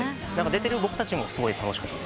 出てる僕たちもすごい楽しかったですし。